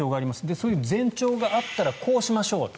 そういう前兆があったらこうしましょうと。